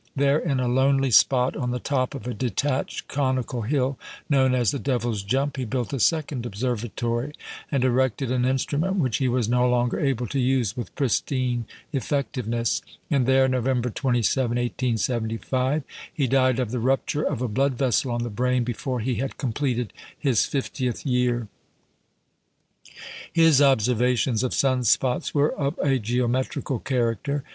There, in a lonely spot, on the top of a detached conical hill known as the "Devil's Jump," he built a second observatory, and erected an instrument which he was no longer able to use with pristine effectiveness; and there, November 27, 1875, he died of the rupture of a blood vessel on the brain, before he had completed his fiftieth year. His observations of sun spots were of a geometrical character.